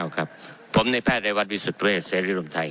ครับผมในแพทย์แภดรัยวัฏวิสุทธิ์เครียด์สริรมไทย